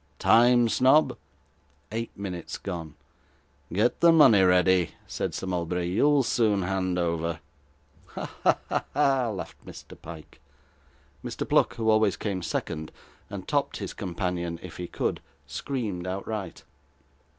Time, Snobb?' 'Eight minutes gone.' 'Get the money ready,' said Sir Mulberry; 'you'll soon hand over.' 'Ha, ha, ha!' laughed Mr. Pyke. Mr. Pluck, who always came second, and topped his companion if he could, screamed outright.